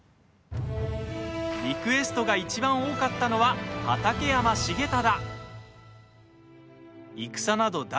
リクエストがいちばん多かったのは、畠山重忠。